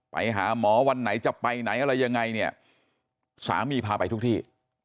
ไปหาหมอวันไหนจะไปไหนอะไรยังไงเนี่ยสามีพาไปทุกที่